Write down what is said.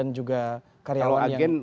akan juga karyawan yang